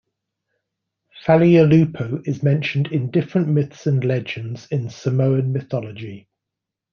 Falealupo is mentioned in different myths and legends in Samoan mythology.